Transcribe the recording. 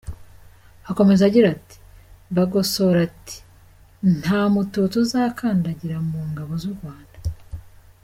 Akomeza agira ati “Bagosora ati ‘nta mututsi uzakandagira mu ngabo z’u Rwanda.